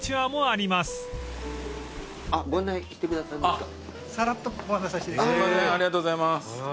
ありがとうございます。